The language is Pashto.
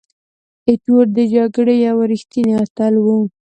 ایټور د جګړې یو ریښتینی اتل وو.